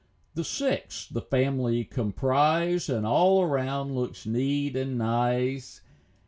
The six the family comprise, And all around looks neat and nice.